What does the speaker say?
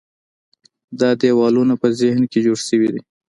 دا دیوالونه په ذهن کې جوړ شوي دي.